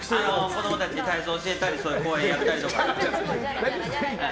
子供たちに体操を教えたり講演やったりとかしてね。